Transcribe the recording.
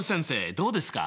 どうですか？